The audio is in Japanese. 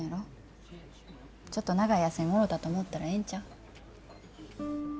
ちょっと長い休みもろたと思ったらええんちゃう？